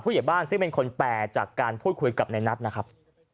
เหยียบบ้านซึ่งเป็นคนแปลจากการพูดคุยกับในนัทนะครับ